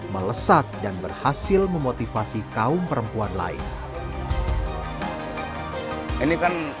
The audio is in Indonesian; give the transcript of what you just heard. melesat dan berhasil memotivasi kaum perempuan lain